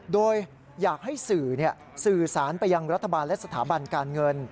โดยอยากให้สื่อสื่อสารไปยังรัฐบาลและสถาบันการเงิน